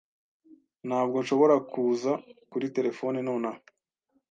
Ntabwo nshobora kuza kuri terefone nonaha.